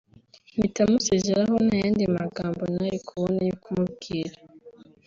mpita musezeraho nta yandi magambo nari kubona yo kumubwira